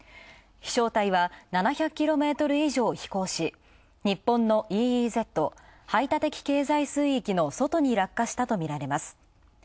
飛翔体は、７００キロメートル以上飛行し、日本のＥＥＺ＝排他的経済水域の外に落下したとみられます。